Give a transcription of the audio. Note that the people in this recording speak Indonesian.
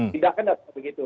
tidakkan dapat begitu